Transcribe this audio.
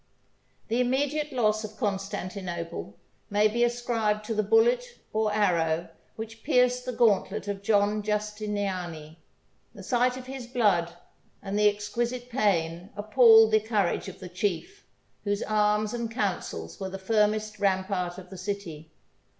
The immediate loss of Constantinople may be ascribed to the bullet or arrow which pierced the gauntlet of John Justiniani. The sight of his blood and the exquisite pain appalled the courage of the chief, whose arms and counsels were the firmest rampart of the city.